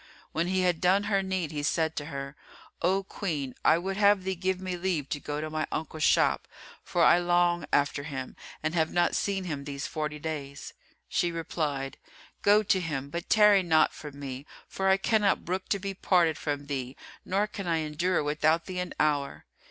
When he had done her need, he said to her, "O Queen, I would have thee give me leave to go to my uncle's shop, for I long after him and have not seen him these forty days." She replied, "Go to him but tarry not from me, for I cannot brook to be parted from thee, nor can I endure without thee an hour."